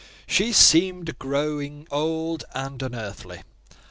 She seemed growing old and unearthly.